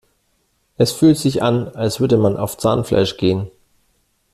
Es fühlt sich an, als würde man auf Zahnfleisch gehen.